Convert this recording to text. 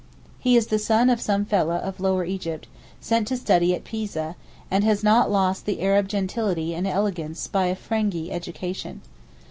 He is the son of some fellah of Lower Egypt, sent to study at Pisa, and has not lost the Arab gentility and elegance by a Frenghi education.